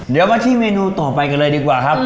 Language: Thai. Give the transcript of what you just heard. เดี๋ยวมาที่เมนูต่อไปกันเลยดีกว่าครับ